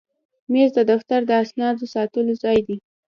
مېز د دفتر د اسنادو ساتلو ځای دی.